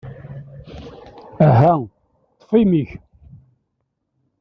Aha, ṭṭef imi-k!